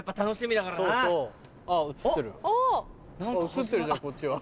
映ってるじゃんこっちは。